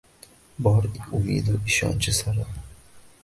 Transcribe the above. Bor umidu ishonchi sarob